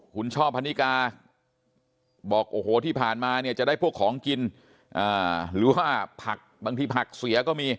คุณช่อพนิกาบอกโอ้โหที่ผ่านมาเนี่ยจะได้พวกของกินหรือว่าผักบางทีผักเสียก็มี